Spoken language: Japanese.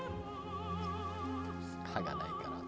「歯がないから」